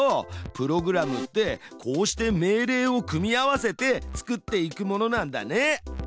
プログラムってこうして命令を組み合わせて作っていくものなんだね。